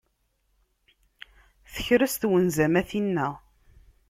Tekres twenza-m a tinna.